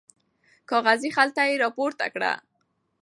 کاغذي خلطه یې راپورته کړه.